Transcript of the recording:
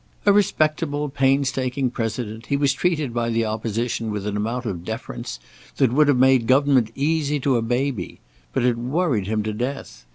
A respectable, painstaking President, he was treated by the Opposition with an amount of deference that would have made government easy to a baby, but it worried him to death.